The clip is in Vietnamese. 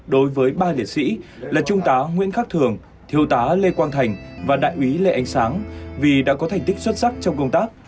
đối với ba liệt sĩ là trung tá nguyễn khắc thường thiêu tá lê quang thành và đại úy lê ánh sáng vì đã có thành tích xuất sắc trong công tác